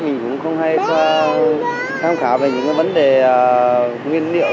mình cũng không hay tham khảo về những vấn đề nguyên liệu